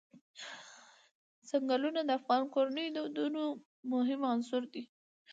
چنګلونه د افغان کورنیو د دودونو مهم عنصر دی.